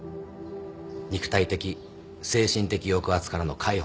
肉体的精神的抑圧からの解放。